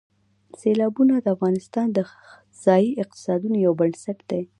سیلابونه د افغانستان د ځایي اقتصادونو یو بنسټ دی.